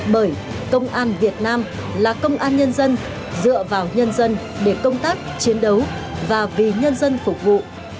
bởi công an việt nam là công an nhân dân dựa vào nhân dân để công tác chiến đấu và vì nhân dân phục vụ